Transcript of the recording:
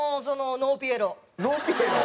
ノーピエロで。